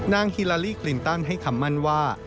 ฮิลาลีคลินตันให้คำมั่นว่า